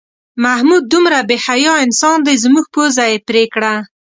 محمود دومره بې حیا انسان دی زموږ پوزه یې پرې کړه.